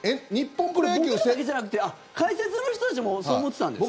僕らだけじゃなくて解説の人たちもそう思ってたんですか？